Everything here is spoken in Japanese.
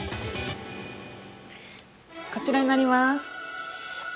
こちらになりまーす。